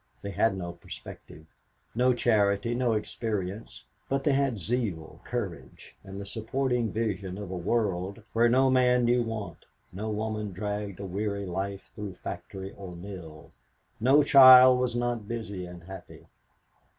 They had no perspective, no charity, no experience, but they had zeal, courage, and the supporting vision of a world where no man knew want, no woman dragged a weary life through factory or mill, no child was not busy and happy.